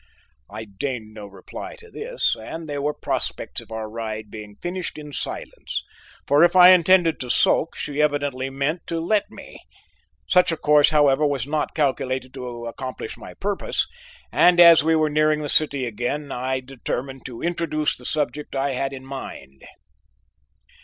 I deigned no reply to this and there were prospects of our ride being finished in silence, for if I intended to sulk she evidently meant to let me. Such a course, however, was not calculated to accomplish my purpose and as we were nearing the city again, I determined to introduce the subject I had in mind.